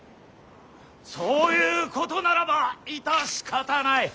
そういうことならば致し方ない。